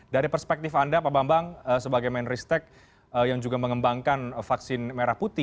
dari perspektif anda pak bambang sebagai menristek yang juga mengembangkan vaksin merah putih